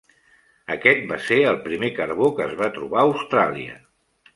Aquest va ser el primer carbó que es va trobar a Austràlia.